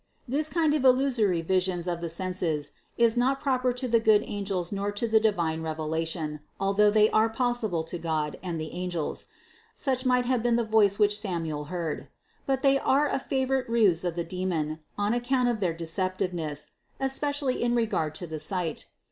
This kind of illusory visions of the senses is not proper to the good angels nor to divine revelation, although they are possible to God and the angels ; such might have been the voice which Samuel heard. But they are a favorite ruse of the demon, on account of their deceptiveness, especially in regard to the sight.